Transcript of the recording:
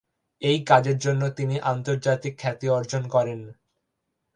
এই কাজের জন্য তিনি আন্তর্জাতিক খ্যাতি অর্জন করেন।